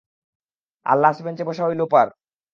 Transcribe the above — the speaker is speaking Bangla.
আরে লাস্ট বেঞ্চে বসা ঐ লোপার!